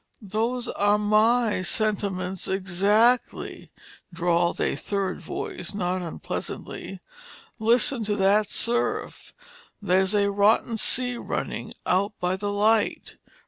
"Those are my sentiments exactly," drawled a third voice, not unpleasantly. "Listen to that surf. There's a rotten sea running out by the light.